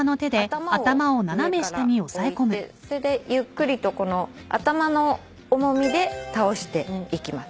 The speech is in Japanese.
上から置いてゆっくりと頭の重みで倒していきます。